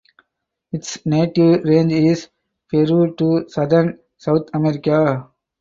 Its native range is Peru to southern South America.